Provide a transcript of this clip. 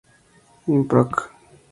In Proc.